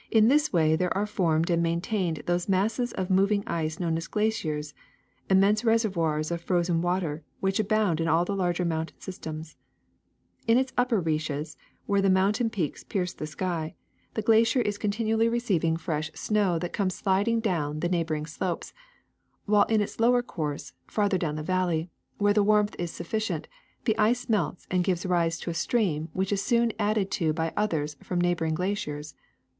In this way there are formed and maintained those masses of moving ice known as glaciers, immense reservoirs of frozen water which abound in all the larger mountain sys tems. *^In its upper reaches, where the mountain peaks pierce the sky, the glacier is continually receiving 348 THE SECRET OF EVERYDAY THINGS fresh snow that comes sliding down the neighboring slopes, while in its lower course, farther down the valley, where the warmth is sufficient, the ice melts and gives rise to a stream which is soon added to by others from neighboring glaciers.